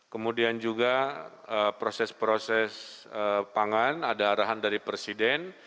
kemudian juga proses proses pangan ada arahan dari presiden